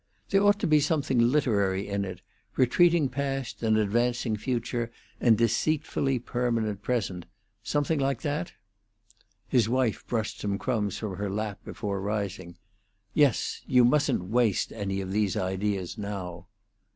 There ought to be something literary in it: retreating past and advancing future and deceitfully permanent present something like that?" His wife brushed some crumbs from her lap before rising. "Yes. You mustn't waste any of these ideas now."